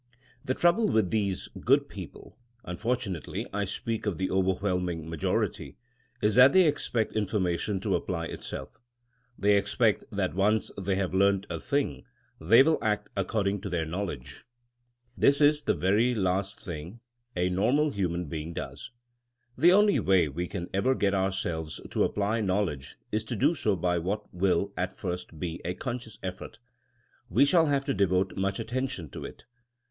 The trouble with these good people (unfor tunately I speak of the overwhelming majority) is that they expect information to apply itself. They expect that once they have learnt a thing they will act according to their knowledge. 237 238 THINKma AS A 80IEN0E This is the very last thing a normal human be ing does. The only way we can ever get ourselves to apply knowledge is to do so by what will at first be a conscious effort. We shall have to devote much attention to it.